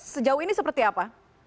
sejauh ini seperti apa